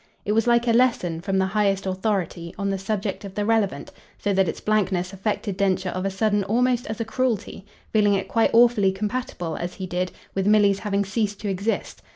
It was like a lesson, from the highest authority, on the subject of the relevant, so that its blankness affected Densher of a sudden almost as a cruelty, feeling it quite awfully compatible, as he did, with Milly's having ceased to exist.